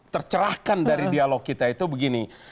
tercerahkan dari dialog kita itu begini